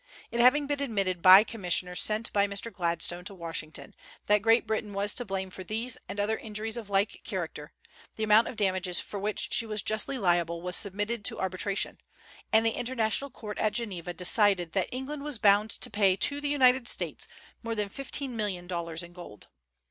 It having been admitted by commissioners sent by Mr. Gladstone to Washington, that Great Britain was to blame for these and other injuries of like character, the amount of damages for which she was justly liable was submitted to arbitration; and the International Court at Geneva decided that England was bound to pay to the United States more than fifteen million dollars in gold.